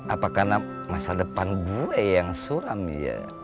apa karena masa depan gue yang suram ya